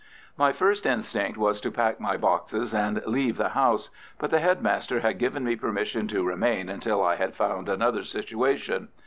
My first instinct was to pack my boxes and leave the house. But the head master had given me permission to remain until I had found another situation.